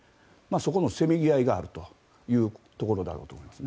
そこのせめぎ合いがあるというところだろうと思います。